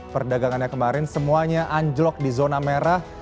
perdagangannya kemarin semuanya anjlok di zona merah